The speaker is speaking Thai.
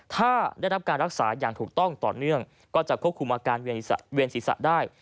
ถ้าได้รับการรักษาอย่างถูกต้องต่อเนื่องก็จะควบคุมอาการเวียนศีรษะได้